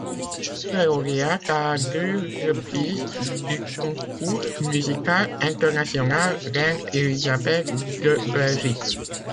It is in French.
Il est lauréat à deux reprises du Concours musical international Reine Élisabeth de Belgique.